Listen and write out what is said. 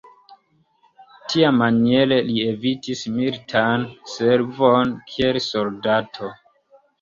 Tiamaniere li evitis militan servon kiel soldato.